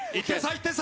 １点差